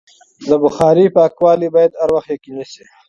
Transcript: د بخارۍ پاکوالی باید هر وخت یقیني شي.